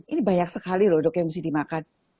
ini banyak sekali loh dok yang mesti dimakan